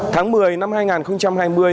tháng một mươi năm hai nghìn hai mươi